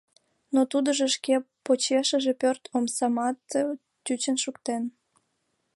Но тудыжо шке почешыже пӧрт омсамат тӱчын шуктен.